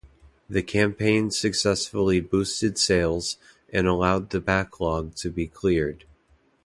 The campaign successfully boosted sales and allowed the backlog to be cleared.